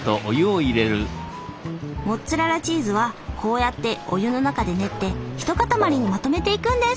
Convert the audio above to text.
モッツァレラチーズはこうやってお湯の中で練って一塊にまとめていくんです。